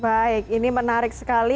baik ini menarik sekali